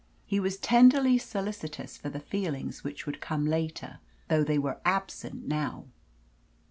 He was tenderly solicitous for the feelings which would come later, though they were absent now.